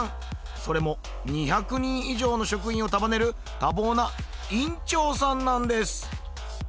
それも２００人以上の職員を束ねる多忙な院長さんなんです！